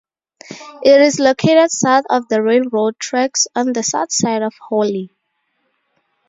It is located south of the railroad tracks on the south side of Holly.